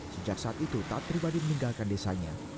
sejak saat itu taat pribadi meninggalkan desanya